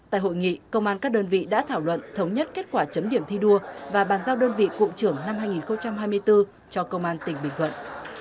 tại hội nghị công an các đơn vị đã thảo luận thống nhất kết quả chấm điểm thi đua và bàn giao đơn vị cụm trưởng năm hai nghìn hai mươi bốn cho công an tỉnh bình thuận